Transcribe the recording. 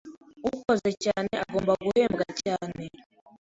ukoze cyane agomba guhembwa cyane.